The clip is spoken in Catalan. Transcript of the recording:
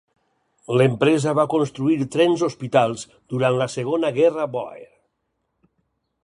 L'empresa va construir trens hospitals durant la Segona Guerra Bòer.